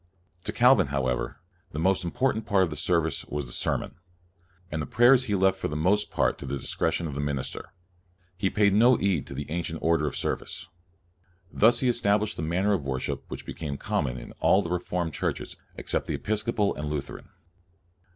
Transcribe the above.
To Calvin, however, the most important part of the service was the sermon, and the prayers he left for the most part to the discretion of the minister. He paid no heed to the ancient order of service. Thus he estab lished the manner of worship which be came common in all the reformed churches, except the Episcopal and Lu theran.